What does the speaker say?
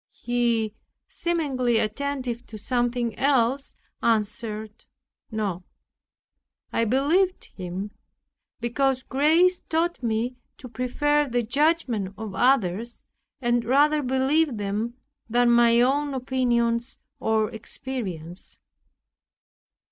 He, seemingly attentive to something else, answered, "No." I believed him; because grace taught me to prefer the judgment of others, and rather believe them than my own opinions or experience.